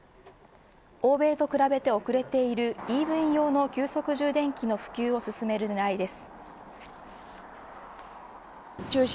欧米と比べて遅れているＥＶ用の急速充電器の普及を進めるねらいです。